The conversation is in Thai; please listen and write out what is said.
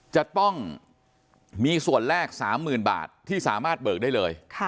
จะต้องมีส่วนแรกสามหมื่นบาทที่สามารถเบิกได้เลยค่ะ